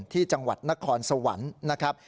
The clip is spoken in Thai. ที่จังหวัดนครสวรรค์นะครับ